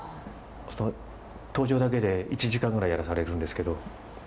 登場だけで１時間ぐらいやらされるんですけど。